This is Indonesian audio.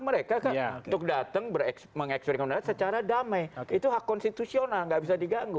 mereka ya untuk datang berekspresi mengakses secara damai itu hak konstitusional nggak bisa diganggu